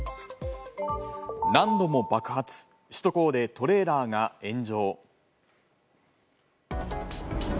何度も爆発首都高でトレーラーが炎上。